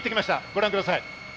ご覧ください。